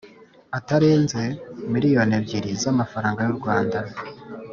ataranze miliyoni ebyiri zamafaranga y u Rwanda